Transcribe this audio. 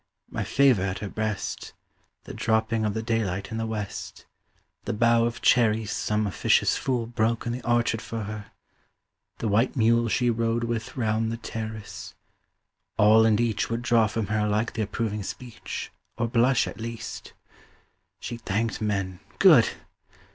My favour at her breast, The dropping of the daylight in the West, The bough of cherries some officious fool Broke in the orchard for her, the white mule She rode with round the terrace all and each Would draw from her alike the approving speech, 30 Or blush, at least. She thanked men good!